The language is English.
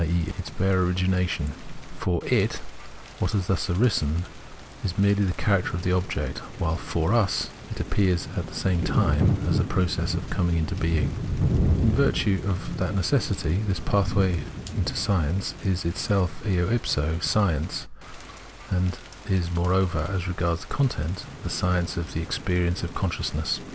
e. its hare origina tion ; for it, what has thus arisen has merely the character of object, while, for us, it appears at the same time as a process and coming into being. In virtue of that necessity this pathway to science is itself eo if so science, and is, moreover, as regards its content. Science of the Experience of Consciousness.